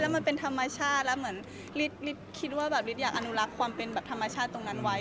แล้วเป็นธรรมชาติและฤทธิ์อยากอนุรักษ์ความเป็นธรรมชาติตรงนั้นไว้